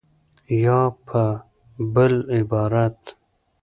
یا په بل عبارت